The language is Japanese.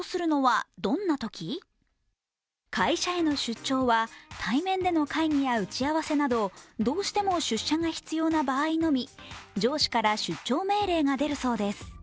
会社への出張は対面での会議や打ち合わせなどどうしても出社が必要な場合のみ上司から出張命令が出るそうです。